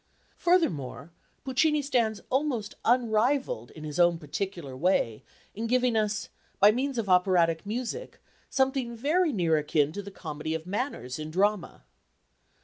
Furthermore, Puccini stands almost unrivalled in his own particular way in giving us, by means of operatic music, something very near akin to the comedy of manners in drama.